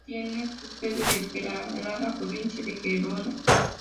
La empresa tiene su sede en Peralada, provincia de Gerona.